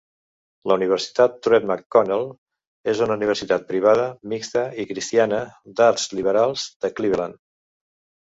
La Universitat Truett McConnell és una universitat privada, mixta i cristiana d'arts liberals de Cleveland.